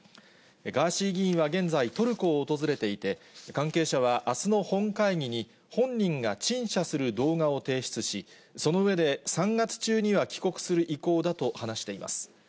ガーシー議員は現在、トルコを訪れていて、関係者は、あすの本会議に本人が陳謝する動画を提出し、その上で３月中には帰国する意向だと話しています。